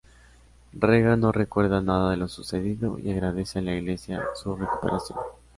Regan no recuerda nada de lo sucedido y agradece a la iglesia su recuperación.